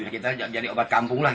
kita jadi obat kampung lah